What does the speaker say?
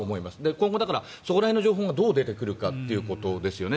今後そこら辺の情報がどう出てくるかですよね。